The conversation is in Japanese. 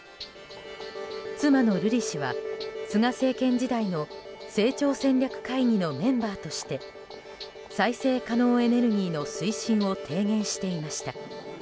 妻の瑠麗氏は、菅政権時代の成長戦略会議のメンバーとして再生可能エネルギーの推進を提言していました。